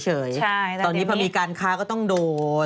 ใช่แต่เดี๋ยวนี้ตอนนี้พอมีการค้าก็ต้องโดน